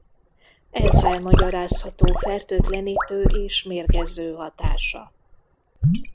Ezzel magyarázható fertőtlenítő és mérgező hatása.